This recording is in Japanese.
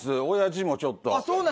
おやじもちょっと。